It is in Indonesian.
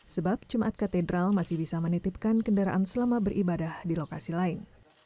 sebab jemaat katedral masih bisa menitipkan kendaraan selama beribadah di lokasi lain